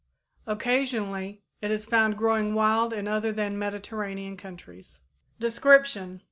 Occasionally it is found growing wild in other than Mediterranean countries. _Description.